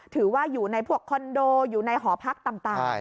ถือว่าอยู่ในพวกคอนโดอยู่ในหอพักต่าง